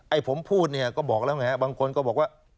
ไอ้ผมพูดก็บอกแล้วไงบางคนก็บอกว่า